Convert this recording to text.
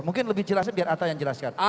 mungkin lebih jelasnya biar atta yang jelaskan